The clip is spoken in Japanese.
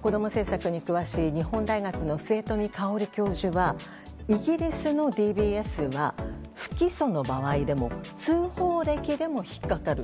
子供政策に詳しい日本大学の末冨芳教授はイギリスのＤＢＳは不起訴の場合でも通報歴でも引っかかる。